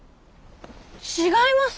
違います。